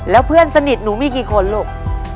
แล้วเพื่อนสนิทหนูมีกี่คนลูก